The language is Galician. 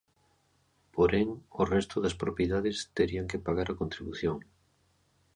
Porén, o resto das propiedades terían que pagar a contribución.